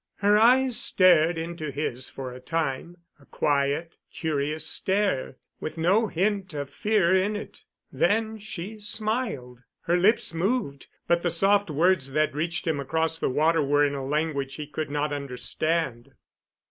Her eyes stared into his for a time a quiet, curious stare, with no hint of fear in it. Then she smiled. Her lips moved, but the soft words that reached him across the water were in a language he could not understand.